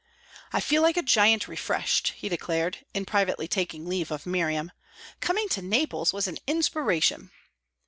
"I feel like a giant refreshed," he declared, in privately taking leave of Miriam. "Coming to Naples was an inspiration."